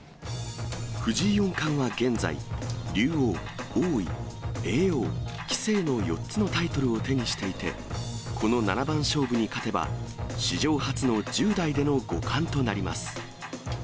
藤井四冠は現在、竜王、王位、叡王、棋聖の４つのタイトルを手にしていて、この七番勝負に勝てば、史上初の１０代での五冠となります。